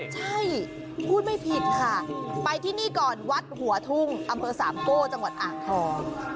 ใช่พูดไม่ผิดค่ะไปที่นี่ก่อนวัดหัวทุ่งอำเภอสามโก้จังหวัดอ่างทอง